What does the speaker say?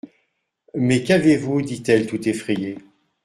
Mais qu'avez-vous ? dit-elle tout effrayée.